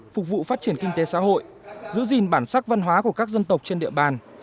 phục vụ phát triển kinh tế xã hội giữ gìn bản sắc văn hóa của các dân tộc trên địa bàn